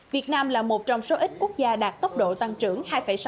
việt nam là một trong số ít quốc gia đạt tốc độ tăng trưởng hai sáu